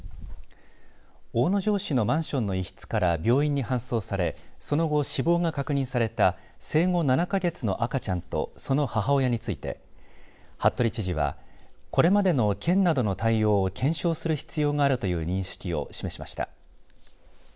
大野城市のマンションの一室から病院に搬送されその後、死亡が確認された生後７か月の赤ちゃんとその母親について服部知事はこれまでの県などの対応を検証する必要があるという認識を示しました。